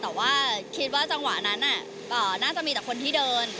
แต่ว่าคิดว่าจังหวะนั้นน่าจะมีแต่คนที่เดิน